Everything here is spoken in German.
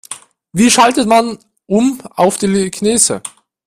Wie schaltet man um auf Telekinese?